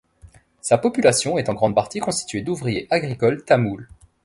Sa population est en grande partie constitué d'ouvriers agricoles tamouls.